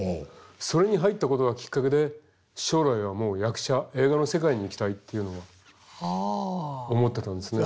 それに入ったことがきっかけで将来はもう役者映画の世界に行きたいっていうのは思ってたんですね。